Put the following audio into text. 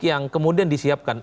yang kemudian disiapkan